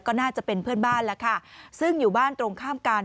ก็น่าจะเป็นเพื่อนบ้านแล้วค่ะซึ่งอยู่บ้านตรงข้ามกัน